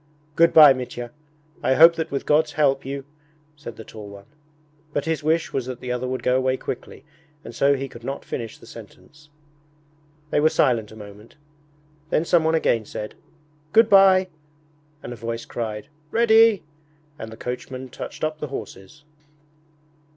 'Good bye, Mitya! I hope that with God's help you...' said the tall one. But his wish was that the other would go away quickly, and so he could not finish the sentence. They were silent a moment. Then someone again said, 'Good bye,' and a voice cried, 'Ready,' and the coachman touched up the horses.